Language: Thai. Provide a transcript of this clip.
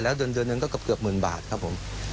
แล้วเดือนนึงก็เกือบ๑๐๐๐๐บาทครับผม